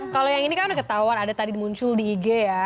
kalau yang ini kan udah ketahuan ada tadi muncul di ig ya